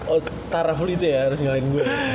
oh tarah full itu ya harus ngalahin gue